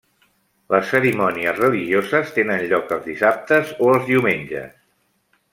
Les cerimònies religioses tenen lloc els dissabtes o els diumenges.